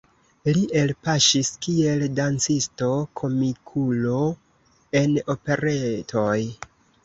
Li elpaŝis kiel dancisto-komikulo en operetoj.